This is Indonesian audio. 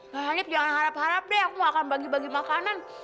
pak salif jangan harap harap deh aku gak akan bagi bagi makanan